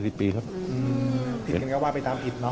อืมพี่แจ่งง็ว่าไปทำผิดเนอะ